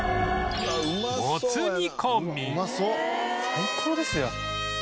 最高ですよ。